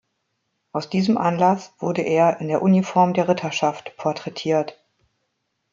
Aus diesem Anlass wurde er in der Uniform der Ritterschaft porträtiert.